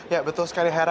ya betul sekali hera